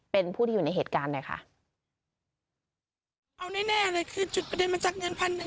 เป็นผู้ที่อยู่ในเหตุการณ์หน่อยค่ะเอาแน่แน่เลยคือจุดประเด็นมาจากเงินพันหนึ่ง